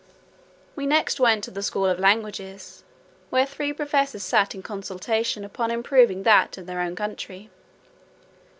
We next went to the school of languages, where three professors sat in consultation upon improving that of their own country.